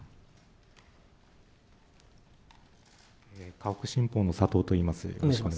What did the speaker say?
河北新報のさとうといいます。